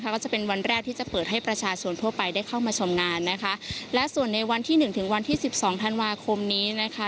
ก็จะเป็นวันแรกที่จะเปิดให้ประชาชนทั่วไปได้เข้ามาชมงานนะคะและส่วนในวันที่หนึ่งถึงวันที่สิบสองธันวาคมนี้นะคะ